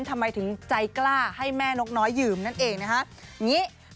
ทำไมถึงใจกล้าให้แม่นกน้อยยืมนั่นเองนะฮะ